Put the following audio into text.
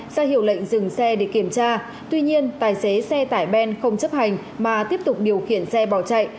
ra hiệu lệnh dừng xe để kiểm tra tuy nhiên tài xế xe tải ben không chấp hành mà tiếp tục điều khiển xe bỏ chạy